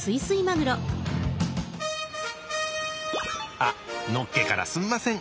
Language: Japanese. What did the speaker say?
あっのっけからすんません。